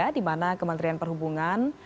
dimana kementerian perhubungan